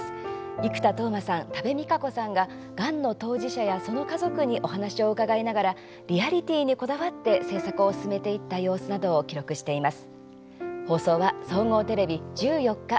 生田斗真さん、多部未華子さんががんの当事者やその家族にお話を伺いながらリアリティーにこだわって制作を進めていった様子などを記録しています。